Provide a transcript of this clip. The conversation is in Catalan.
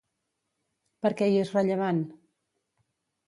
Per què hi és rellevant?